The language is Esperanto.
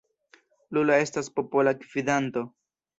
Lula estas popola gvidanto.